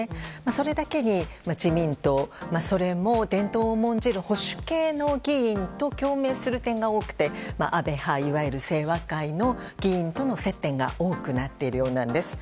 それだけに自民党それも伝統を重んじる保守系の議員と共鳴する点が多くて、安倍派いわゆる清和会の議員との接点が多くなっているようなんです。